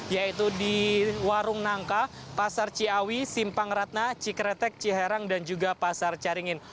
yaitu di warung nangka pasar ciawi simpang ratna cikretek ciherang dan juga pasar caringin